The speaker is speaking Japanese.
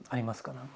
何か。